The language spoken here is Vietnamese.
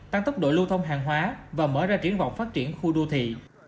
tăng tốc độ lưu thông hàng hóa và mở ra triển vọng phát triển khu đô thị